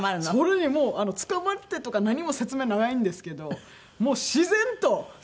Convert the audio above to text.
それにもうつかまってとか何も説明ないんですけどもう自然と。